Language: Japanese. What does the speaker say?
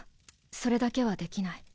それだけはできない。